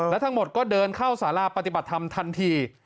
และทั้งหมดก็เดินเข้าสาราปฏิบัติธรรมทันที